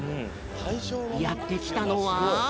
やってきたのは。